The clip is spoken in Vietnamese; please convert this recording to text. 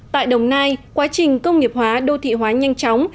tại đồng nai quá trình công nghiệp hóa đô thị hóa nhanh chóng